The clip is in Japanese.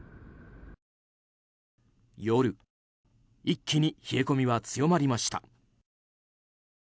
夜、一気に冷え込みは強まりました。